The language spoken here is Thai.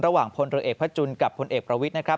ระหว่างพลเวียกพระจุลกับพลเวียกประวิทร